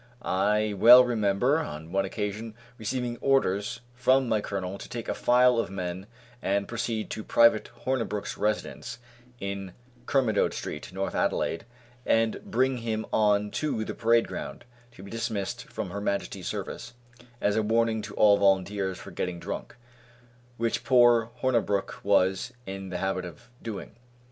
I well remember on one occasion receiving orders from my colonel to take a file of men and proceed to Private Hornabrook's residence, in Kermode street, North Adelaide, and bring him on to the parade ground, to be dismissed from Her Majesty's service as a warning to all volunteers, for getting drunk, which poor Hornabrook was in the habit of doing.